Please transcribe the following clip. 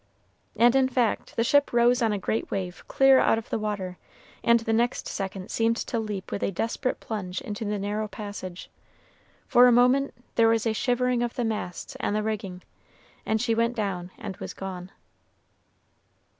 And, in fact, the ship rose on a great wave clear out of the water, and the next second seemed to leap with a desperate plunge into the narrow passage; for a moment there was a shivering of the masts and the rigging, and she went down and was gone.